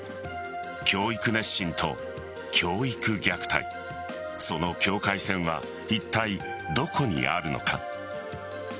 教育熱心と教育虐待その境界線はいったいどこにあるのか。